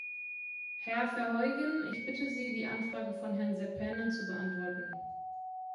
Herr Verheugen, ich bitte Sie, die Anfrage von Herrn Seppänen zu beantworten.